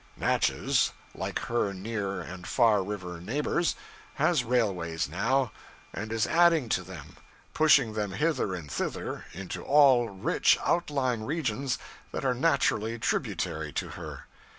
Natchez, like her near and far river neighbors, has railways now, and is adding to them pushing them hither and thither into all rich outlying regions that are naturally tributary to her.